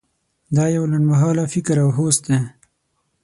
دا یو لنډ مهاله فکر او هوس دی.